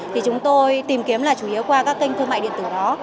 thì chúng tôi tìm kiếm là chủ yếu qua các kênh thương mại điện tử đó